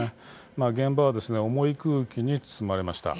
現場は重い空気に包まれました。